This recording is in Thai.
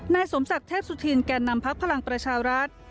นายสมศักดิ์เทพสุธินแก่นำพักพลังประชารัฐ